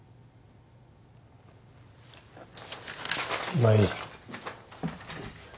まあいい。